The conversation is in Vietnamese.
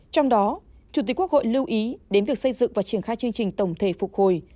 trong đó chủ tịch quốc hội lưu ý đến việc xây dựng và triển khai chương trình tổng thể phục hồi